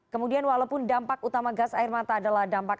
kemudian walaupun dampak utama gas air mata adalah dampak